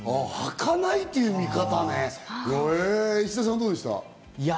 儚いっていう見方ね、石田さん、どうでした？